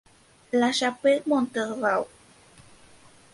La Chapelle-Montmoreau